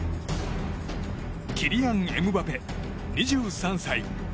キリアン・エムバペ、２３歳。